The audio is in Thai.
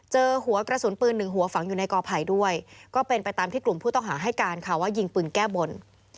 เจอหัวกระสุนปืนหนึ่งหัวฝังอยู่ในกอไผ่ด้วยก็เป็นไปตามที่กลุ่มผู้ต้องหาให้การค่ะว่ายิงปืนแก้บน